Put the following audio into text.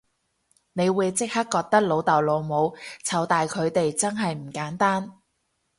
你會即刻覺得老豆老母湊大佢哋真係唔簡單